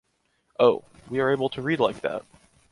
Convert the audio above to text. Oh! We are able to read like that!